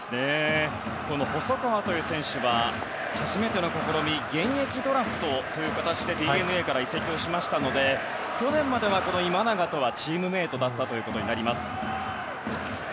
この細川という選手は初めての試みだという現役ドラフトという形でＤｅＮＡから移籍しましたので去年までは今永とはチームメートだったということになります。